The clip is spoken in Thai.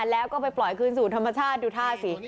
แล้วก็ไปปล่อยคืนสู่ธรรมชาติดูท่าสิ